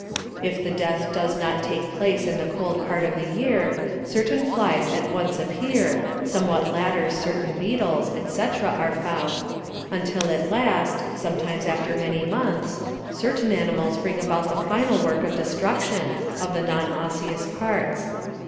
If the death does not take place in the cold part of the year, certain flies at once appear, somewhat later certain beetles, etc., are found, until at last, sometimes | after many months, certain animals bring about the final work of des truction of the non osseous parts.